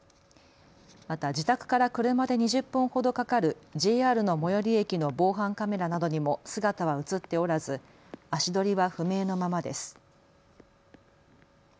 また自宅から車で２０分ほどかかるＪＲの最寄り駅の防犯カメラなどにも姿は写っておらず足取りは不明のままです。